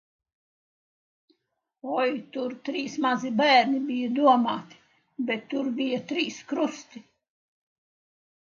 Oi, tur trīs mazi bērni bija domāti, bet tur bija trīs krusti.